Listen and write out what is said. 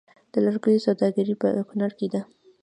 د لرګیو سوداګري په کنړ کې ده